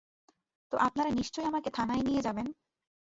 তো আপনারা নিশ্চয়ই আমাকে থানায় নিয়ে যাবেন?